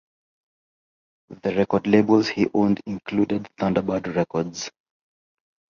The record labels he owned included Thunderbird Records.